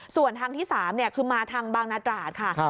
ส่วนทางที่๓คือมาทางบางนาตราดค่ะ